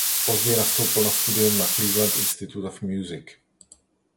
Později nastoupil na studium na Cleveland Institut of Music.